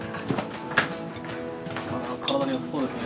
体によさそうですね。